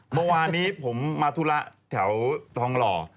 เมื่อวานนี้ผมมาธุระแถวทองหล่อ